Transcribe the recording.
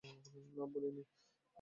না, বলিনি।